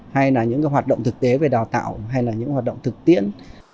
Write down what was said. hay là những hoạt động thực tế về đào tạo hay là những hoạt động thực tiễn